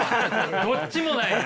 どっちもなんや。